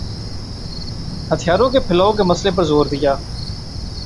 ہتھیاروں کے پھیلاؤ کے مسئلے پر زور دیا